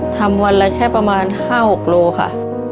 วันละแค่ประมาณ๕๖โลค่ะ